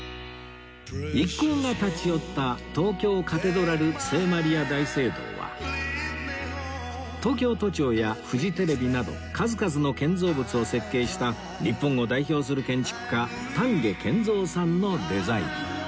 一行が立ち寄った東京カテドラル聖マリア大聖堂は東京都庁やフジテレビなど数々の建造物を設計した日本を代表する建築家丹下健三さんのデザイン